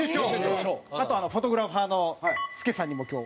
あとフォトグラファーの助さんにも今日。